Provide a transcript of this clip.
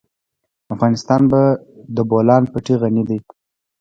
افغانستان په د بولان پټي غني دی.